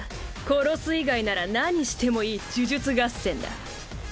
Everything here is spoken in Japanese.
殺す以外なら何してもいい呪術合戦だ。